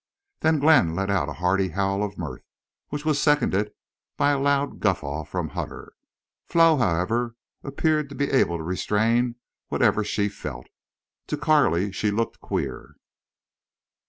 Then Glenn let out a hearty howl of mirth, which was seconded by a loud guffaw from Hutter. Flo, however, appeared to be able to restrain whatever she felt. To Carley she looked queer.